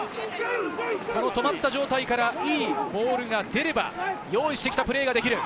止まった状態からいいボールが出れば用意してきたプレーができる。